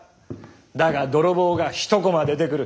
だが泥棒が一コマ出てくる。